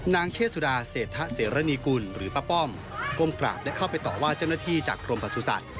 นางเชษฎาเสร็จทะเสรณีกุลหรือป้าป้อมก้มกราบและเข้าไปต่อว่าเจ้าหน้าที่จากกรมประสูจน์สัตว์